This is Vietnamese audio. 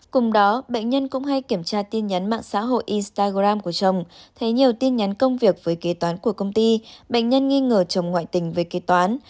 cùng đó bệnh nhân cũng hay kiểm tra tin nhắn mạng xã hội instagram của chồng thấy nhiều tin nhắn công việc với kế toán của công ty bệnh nhân nghi ngờ chồng ngoại tình về kế toán